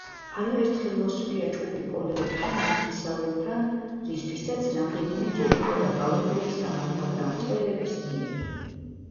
არაერთხელ მოსვლია ჩხუბი კოლეგებთან, ნათესავებთან, რისთვისაც რამდენიმეჯერ იყო დაკავებული სამართალდამცველების მიერ.